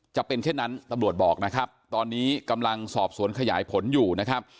จะเป็นเช่นนั้นตำรวจบอกนะครับตอนนี้กำลังสอบสวนขยายผลอยู่นะครับ